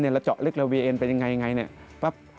เราเจาะลึกเรื่องเบียนเป็นอย่างไร